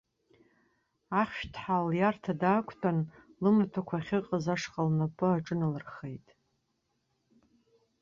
Ахьшәҭҳәа лиарҭа даақәтәан, лымаҭәақәа ахьыҟаз ашҟа лнапы аҿыналырхеит.